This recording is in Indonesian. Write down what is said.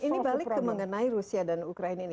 ini balik ke mengenai rusia dan ukraina ini